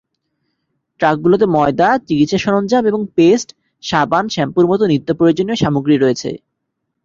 ট্রাকগুলোতে ময়দা, চিকিৎসা সরঞ্জাম এবং পেস্ট, সাবান, শ্যাম্পুর মতো নিত্যপ্রয়োজনীয় সামগ্রী রয়েছে।